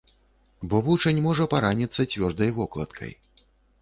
Бо вучань можа параніцца цвёрдай вокладкай.